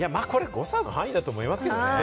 誤差の範囲だと思いますけどね。